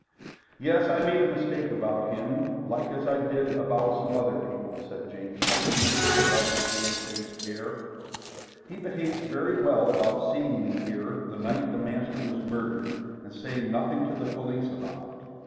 "Yes. I made a mistake about him like as I did about some other people," said James Hutchings, with a rather shame faced air. "He behaved very well about seeing me here the night the master was murdered and saying nothing to the police about it.